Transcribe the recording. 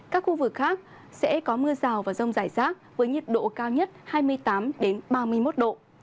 các khu vực khác sẽ có mưa rào và rông rải rác với nhiệt độ cao nhất hai mươi tám ba mươi một độ